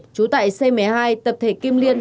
trú tại c một mươi hai tập thể kim liên